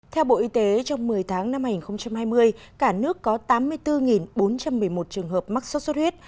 theo bộ y tế trong một mươi tháng năm hai nghìn hai mươi cả nước có tám mươi bốn bốn trăm một mươi một trường hợp mắc sốt xuất huyết